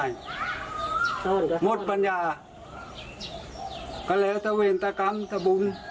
ไอ้คนโดนยิงก็ปากไม่ดีกระโบ้ง